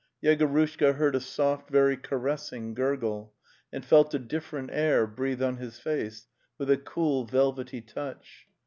Yegorushka heard a soft, very caressing gurgle, and felt a different air breathe on his face with a cool velvety touch.